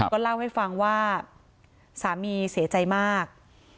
ก็เล่าให้ฟังว่าสามีเสียใจมาก